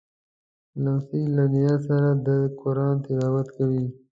لمسی له نیا سره د قرآن تلاوت کوي.